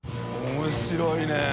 面白いね。